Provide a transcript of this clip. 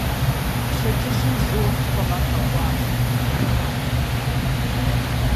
Пщэдджыжьым жьыуэ хъупӀэм ар къэкӀуащ, хьэшхуэ щӀыгъуу.